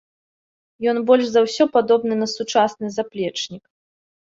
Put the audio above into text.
Ён больш за ўсё падобны на сучасны заплечнік.